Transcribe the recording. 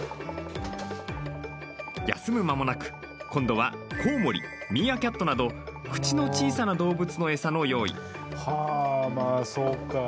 休む間もなく、今度はコウモリミーアキャットなど口の小さな動物の餌の用意。